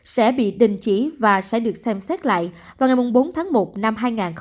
sẽ bị đình chỉ và sẽ được xem xét lại vào ngày bốn tháng một năm hai nghìn hai mươi